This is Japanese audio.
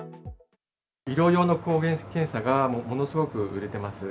医療用の抗原検査がもうものすごく売れてます。